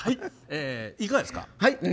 いかがですか？